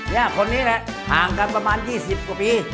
คนนี้แหละห่างกันประมาณ๒๐กว่าปี